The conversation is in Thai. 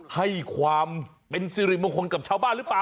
ให้ความเป็นสิริมงคลกับชาวบ้านหรือเปล่า